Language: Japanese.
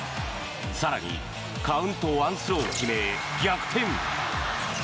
更に、カウントワンスローを決め逆転。